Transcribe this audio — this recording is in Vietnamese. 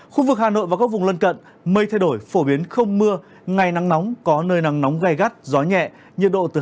khu vực hà nội và các vùng lân cận mây thay đổi phổ biến không mưa ngày nắng nóng có nơi nắng nóng gai gắt gió nhẹ nhiệt độ từ hai mươi chín ba mươi tám độ